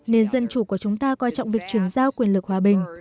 nền dân chủ của chúng ta quan trọng việc truyền giao quyền lực hòa bình